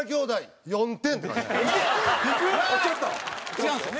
違うんですよ